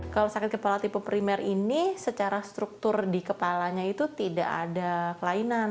kalau sakit kepala tipe primer ini secara struktur di kepalanya itu tidak ada kelainan